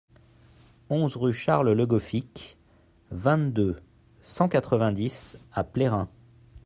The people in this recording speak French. onze rue Charles Le Goffic, vingt-deux, cent quatre-vingt-dix à Plérin